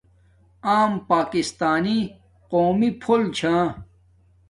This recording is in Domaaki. آم پاکستانی قومی فول چھا